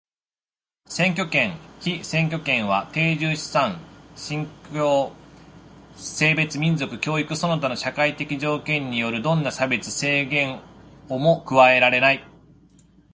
選挙権、被選挙権は定住、資産、信教、性別、民族、教育その他の社会的条件によるどんな差別、制限をも加えられない。